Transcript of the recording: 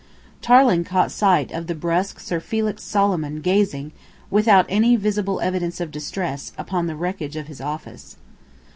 Tarling caught sight of the brusque Sir Felix Solomon gazing, without any visible evidence of distress, upon the wreckage of his office.